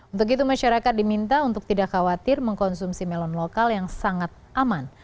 untuk itu masyarakat diminta untuk tidak khawatir mengkonsumsi melon lokal yang sangat aman